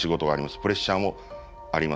プレッシャーもあります。